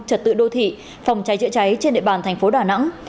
trật tự đô thị phòng cháy chữa cháy trên địa bàn thành phố đà nẵng